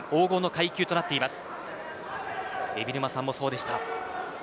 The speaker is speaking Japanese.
海老沼さんもそうでした。